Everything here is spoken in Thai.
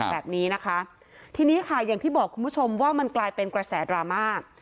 แบบนี้นะคะทีนี้ค่ะอย่างที่บอกคุณผู้ชมว่ามันกลายเป็นกระแสดราม่า